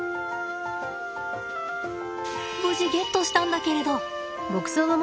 無事ゲットしたんだけれど。